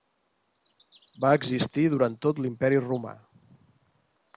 Va existir durant tot l'Imperi romà.